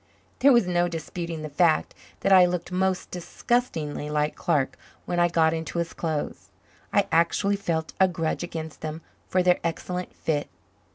There was no disputing the fact that I looked most disgustingly like Clark when I got into his clothes. I actually felt a grudge against them for their excellent fit.